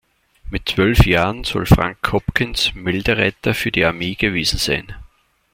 Mit zwölf Jahren soll Frank Hopkins Meldereiter für die Armee gewesen sein.